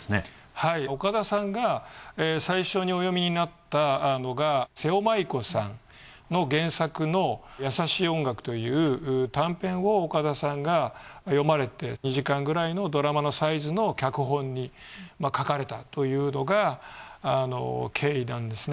はい岡田さんが最初にお読みになったのが瀬尾まいこさんの原作の『優しい音楽』という短編を岡田さんが読まれて２時間くらいのドラマのサイズの脚本に書かれたというのが経緯なんですね。